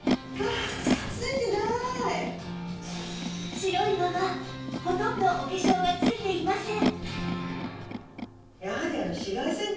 白いままほとんどお化粧がついていません